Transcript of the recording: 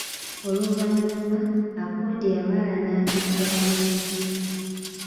Oluvannyuma Accord yamala n'agidaabiriza.